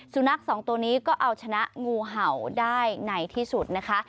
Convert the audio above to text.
สุนัขสองตัวนี้ก็เอาชนะงูเห่าได้ในที่สุดนะคะ